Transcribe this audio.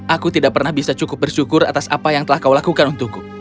aku tidak pernah bisa cukup bersyukur atas apa yang telah kau lakukan untukku